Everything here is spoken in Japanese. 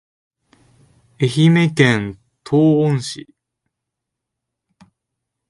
愛媛県東温市